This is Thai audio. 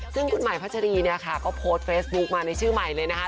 ซึ่งคุณหมายพัชรีเนี่ยค่ะก็โพสต์เฟซบุ๊คมาในชื่อใหม่เลยนะคะ